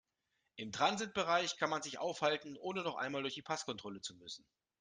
Im Transitbereich kann man sich aufhalten, ohne noch einmal durch die Passkontrolle zu müssen.